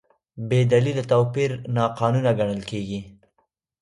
بېدلیله توپیر ناقانونه ګڼل کېږي.